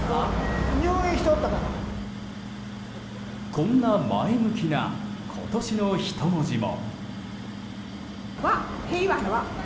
こんな前向きな今年の一文字も。